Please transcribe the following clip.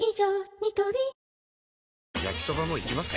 ニトリ焼きソバもいきます？